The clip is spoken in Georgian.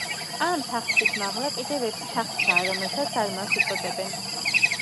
ამ თახჩის მაღლა კიდევ ერთი თახჩაა, რომელსაც „არმანს“ უწოდებენ.